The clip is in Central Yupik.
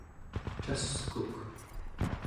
caskuk